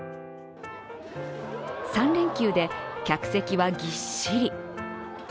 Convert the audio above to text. ３連休で、客席はぎっしり。